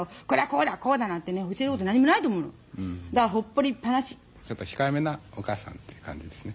別にそんなねちょっと控えめなお母さんっていう感じですね。